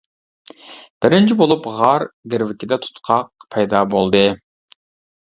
بىرىنچى بولۇپ غار گىرۋىكىدە تۇتقاق پەيدا بولدى.